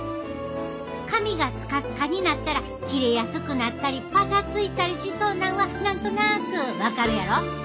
髪がスカスカになったら切れやすくなったりパサついたりしそうなんは何となく分かるやろ？